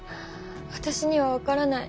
わたしには分からない。